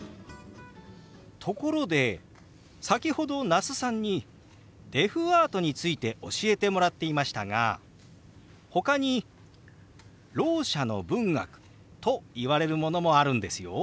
ところで先ほど那須さんにデフアートについて教えてもらっていましたがほかにろう者の文学といわれるものもあるんですよ。